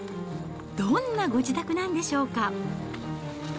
どんなご自宅なんでしょうか。